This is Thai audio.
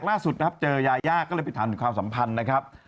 ล่าสุดนะครับเจอยายาก็เลยไปถามถึงความสัมพันธ์นะครับ